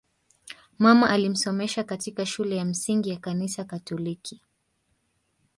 Mama alimsomesha katika shule ya msingi ya Kanisa Katoliki